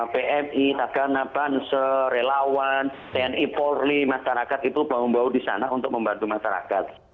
pmi takana banse relawan tni polri masyarakat itu bawa bawa di sana untuk membantu masyarakat